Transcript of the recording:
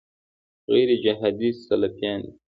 غیرجهادي سلفیان دي.